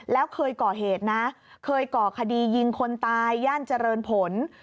แล้วเคยก่อเหตุนะเคยก่อคดียิงคนตายย่านเจริญผล